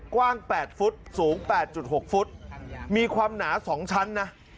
กว้าง๘ฟุตสูง๘๖ฟุตมีความหนา๒ชั้นนะ